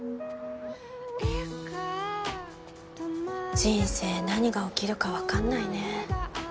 人生何が起きるか分かんないね